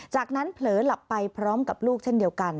จากนั้นเผลอหลับไปพร้อมกับลูกเช่นเดียวกัน